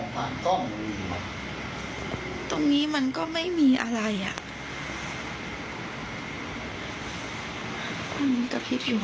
ตรงนี้มันก็ไม่มีอะไรอ่ะ